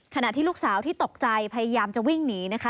ขณะที่ลูกสาวที่ตกใจพยายามจะวิ่งหนีนะคะ